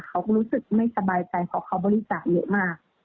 เค้ารู้สึกไม่สบายใจต่อเค้าบริจาคเยอะมาก